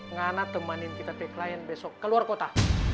ngana temanin kita klien besok ke luar kota